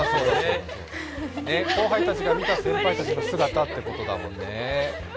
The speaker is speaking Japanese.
後輩たちが見た先輩たちの姿ということだもんね。